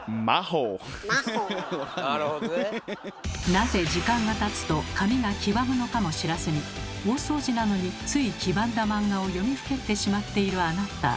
なぜ時間がたつと紙が黄ばむのかも知らずに大掃除なのについ黄ばんだマンガを読みふけってしまっているあなた。